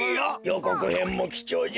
こくへんもきちょうじゃ。